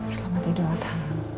selamat raya doa ada